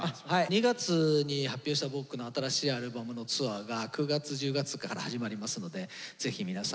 ２月に発表した僕の新しいアルバムのツアーが９月１０月から始まりますのでぜひ皆さん来てください。